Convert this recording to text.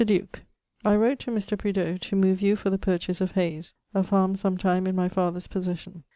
DUKE, I wrote to Mr. Prideaux to move you for the purchase of Hayes[LXXIX.], a farme sometime in my father's possession.